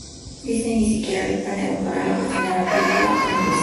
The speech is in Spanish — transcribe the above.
Disney ni siquiera había planeado poner la canción en la película en un principio.